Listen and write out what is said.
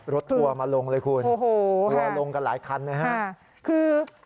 รถทัวร์มาลงเลยคุณทัวร์ลงกันหลายครั้งนะครับ